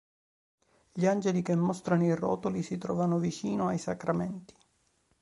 Gli angeli che mostrano i rotoli si trovano vicino ai sacramenti.